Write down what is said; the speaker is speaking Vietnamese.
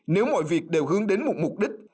nếu mọi việc đều hướng đến một mục đích